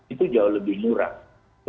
itu jauh lebih murah